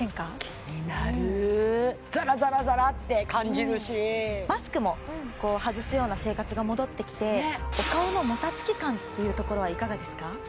気になるザラザラザラって感じるしマスクも外すような生活が戻ってきてお顔のもたつき感っていうところはいかがですか？